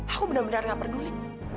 aku benar benar gak peduli